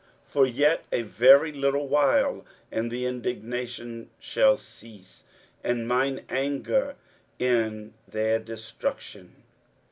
23:010:025 For yet a very little while, and the indignation shall cease, and mine anger in their destruction.